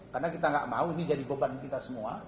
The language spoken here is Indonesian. karena kita gak mau ini jadi beban kita semua